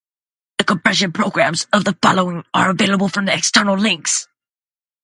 The compression programs of the following are available from external links.